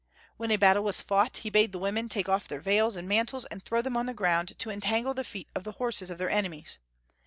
When a battle was fought, he bade the women take off their veils and mantles and throw them on the ground to entangle the feet of the horses of their enemies.